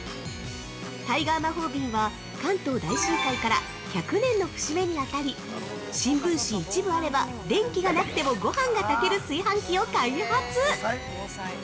タイガー魔法瓶は関東大震災から１００年の節目にあたり新聞紙１部あれば電気がなくてもごはんが炊ける炊飯器を開発。